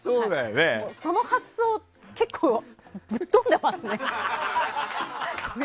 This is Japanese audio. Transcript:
その発想結構ぶっ飛んでいますね！